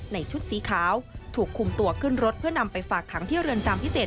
ชุดสีขาวถูกคุมตัวขึ้นรถเพื่อนำไปฝากขังที่เรือนจำพิเศษ